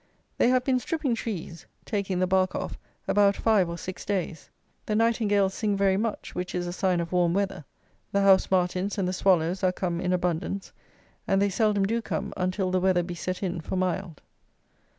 They have been stripping trees (taking the bark off) about five or six days. The nightingales sing very much, which is a sign of warm weather. The house martins and the swallows are come in abundance; and they seldom do come until the weather be set in for mild.